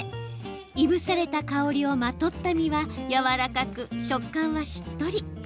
いぶされた香りをまとった身はやわらかく、食感はしっとり。